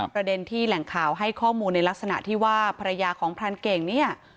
ประเด็นที่แหล่งข่าวให้ข้อมูลในลักษณะที่ว่าภรรยาของพรานเก่งเนี่ย